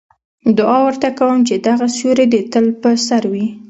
دعا ورته کوم چې دغه سیوری دې تل په سر وي.